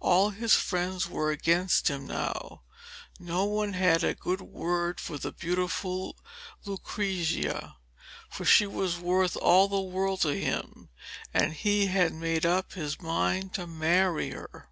All his friends were against him now. No one had a good word for the beautiful Lucrezia. But she was worth all the world to him, and he had made up his mind to marry her.